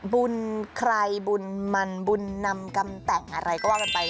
บุญใครบุญมันบุญนำกำแต่งอะไรก็ว่ากันไป